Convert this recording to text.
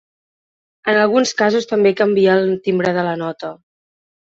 En alguns casos també canvia el timbre de la nota.